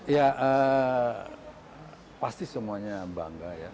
ya pasti semuanya bangga ya